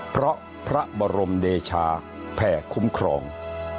เพราะพระบรมเดชาแผ่คุ้มครอง